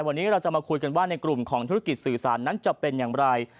วันนี้เราจะมาคุยกันว่าในกลุ่มของธุรกิจสื่อสารนั้นจะเป็นอย่างไร